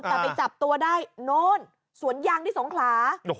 แต่ไปจับตัวได้โน้นสวนยางที่สงขลา